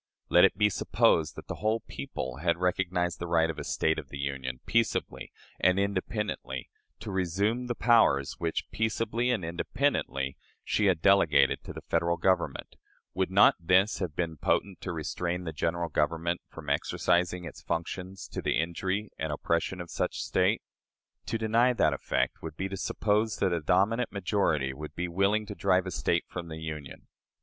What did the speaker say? Let it be supposed that the "whole people" had recognized the right of a State of the Union, peaceably and independently, to resume the powers which, peaceably and independently, she had delegated to the Federal Government, would not this have been potent to restrain the General Government from exercising its functions to the injury and oppression of such State? To deny that effect would be to suppose that a dominant majority would be willing to drive a State from the Union.